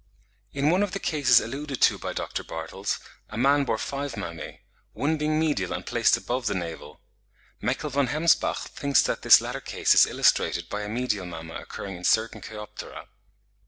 In one of the cases alluded to by Dr. Bartels, a man bore five mammae, one being medial and placed above the navel; Meckel von Hemsbach thinks that this latter case is illustrated by a medial mamma occurring in certain Cheiroptera.